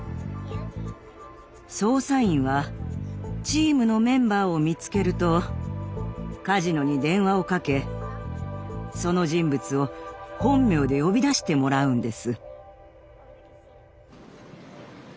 捜査員はチームのメンバーを見つけるとカジノに電話をかけその人物を本名で呼び出してもらうんです。